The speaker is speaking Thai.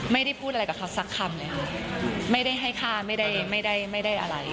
ไม่ได้พูดอะไรกับเขาสักคำเลยค่ะไม่ได้ให้ฆ่าไม่ได้ไม่ได้อะไร